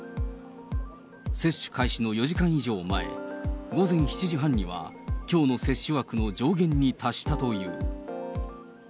接種開始の４時間以上前、午前７時半にはきょうの接種枠の上限に達したという。